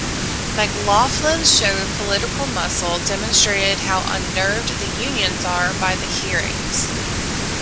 McLaughlin's show of political muscle demonstrated how unnerved the unions are by the hearings.